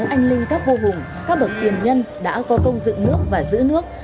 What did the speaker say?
anh linh các vô hùng các bậc tiền nhân đã có công dựng nước và giữ nước